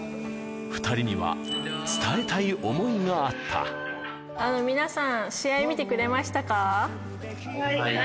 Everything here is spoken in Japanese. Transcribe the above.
２人には伝えたい想いがあっ皆さん、試合見てくれましたはい。